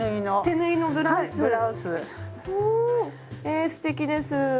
えすてきです。